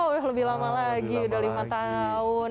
udah lebih lama lagi udah lima tahun